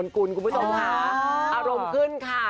คุณผู้ชมค่ะอารมณ์ขึ้นค่ะ